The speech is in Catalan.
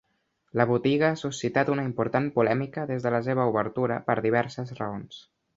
La botiga ha suscitat una important polèmica des de la seva obertura per diverses raons.